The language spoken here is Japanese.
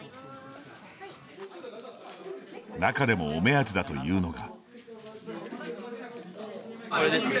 中でもお目当てだというのが。